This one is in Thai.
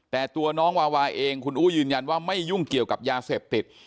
แต่ตัวน้องวาวาเองคุณอู้ยืนยันว่าไม่ยุ่งเกี่ยวกับยาเสพติด